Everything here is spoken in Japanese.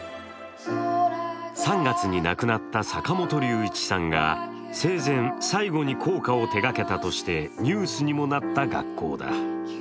３月に亡くなった坂本龍一さんが生前最後に校歌を手がけたとしてニュースにもなった学校だ。